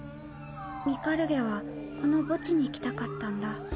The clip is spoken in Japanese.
ミカルゲはこの墓地に来たかったんだ。